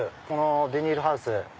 このビニールハウス